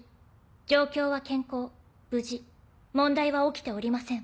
状況は健康無事問題は起きておりません。